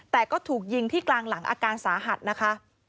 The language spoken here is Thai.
แต่ก็ถูกยิงที่กลางหลังอาการสาหัสนะคะ